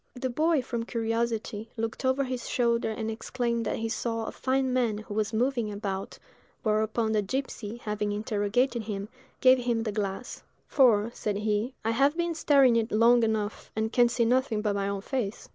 The boy, from curiosity, looked over his shoulder and exclaimed that he saw "a fine man who was moving about;" whereupon the gipsy, having interrogated him, gave him the glass; "for," said he, "I have been staring in it long enough, and can see nothing but my own face."